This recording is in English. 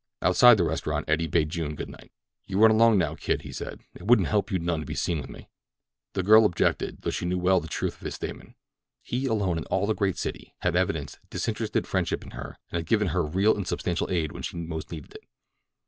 Outside the restaurant Eddie bade June good night. "You run along now, kid," he said. "It wouldn't help you none to be seen with me." The girl objected, though she knew well the truth of his statement. He alone in all the great city had evinced disinterested friendship in her and had given her real and substantial aid when she most needed it.